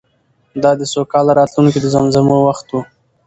دا د سوکاله راتلونکې د زمزمو وخت و.